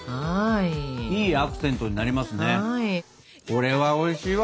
これはおいしいわ。